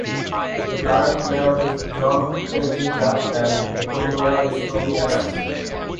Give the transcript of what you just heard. The current mayor is John Tregidga and deputy mayor is Toby Adams.